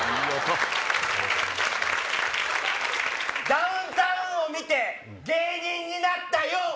ダウンタウンを見て芸人になったよ！